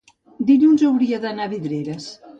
dilluns hauria d'anar a Vidreres.